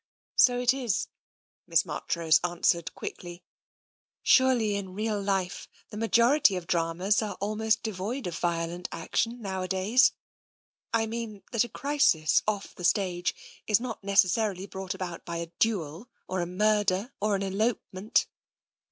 " So it is," Miss Marchrose answered quickly. I04 TENSION " Surely in real life the majority of dramas are almost devoid of violent action, nowadays. I mean that a crisis, off the stage, is not necessarily brought about by a duel, or a murder, or an elopement."